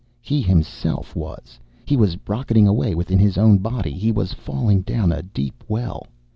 He himself was. He was rocketing away within his own body. He was falling down a deep well.